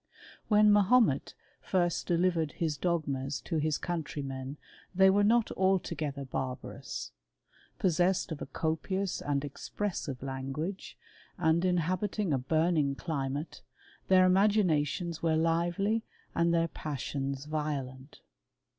When Mahomet first delivered his dogmas to countrymen they were not altogether barbarous. P< sessed of a copious and expressive language, and habiting a burning climate, their imaginations w< lively and their passions violent.